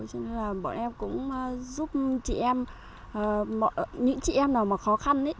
cho nên là bọn em cũng giúp chị em những chị em nào mà khó khăn